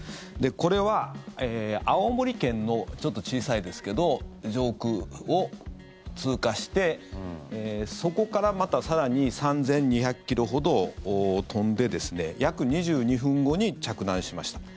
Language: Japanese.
これは青森県のちょっと小さいですけど上空を通過してそこからまた更に３２００ｋｍほど飛んで約２２分後に着弾しました。